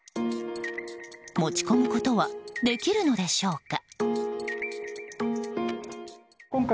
持ち込むことはできるのでしょうか。